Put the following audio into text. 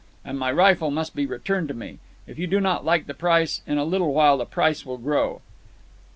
And my rifle must be returned to me. If you do not like the price, in a little while the price will grow."